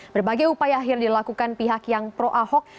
berbagai upaya akhir dilakukan pihak yang pro ahok